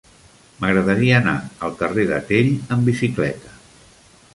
M'agradaria anar al carrer de Tell amb bicicleta.